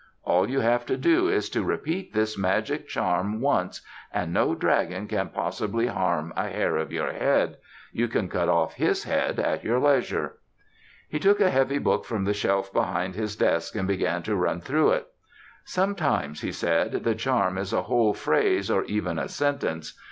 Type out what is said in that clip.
All you have to do is to repeat this magic charm once and no dragon can possibly harm a hair of your head. You can cut off his head at your leisure." He took a heavy book from the shelf behind his desk and began to run through it. "Sometimes," he said, "the charm is a whole phrase or even a sentence.